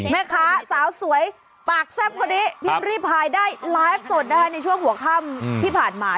แม่ค้าสาวสวยปากแซ่บคนนี้พิมพ์ริพายได้ไลฟ์สดนะคะในช่วงหัวค่ำที่ผ่านมา